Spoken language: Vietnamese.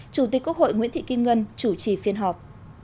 chủ tịch quốc hội nguyễn thị kim ngân chủ trì phiên họp